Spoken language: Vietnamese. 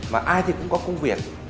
mà ai thì cũng có công việc